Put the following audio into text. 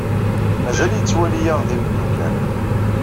Mazal yettwali-aɣ d imeddukal.